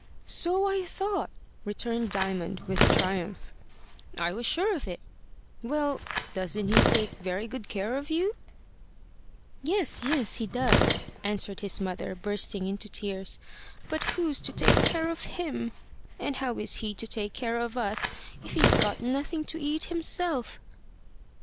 "So I thought!" returned Diamond with triumph. "I was sure of it! Well, doesn't he take very good care of you?" "Yes, yes, he does," answered his mother, bursting into tears. "But who's to take care of him? And how is he to take care of us if he's got nothing to eat himself?"